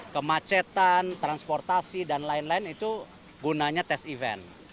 kemacetan transportasi dan lain lain itu gunanya tes event